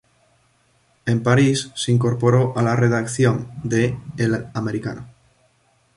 En París se incorporó a la redacción de "El Americano".